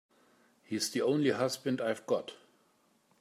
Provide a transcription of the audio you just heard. He's the only husband I've got.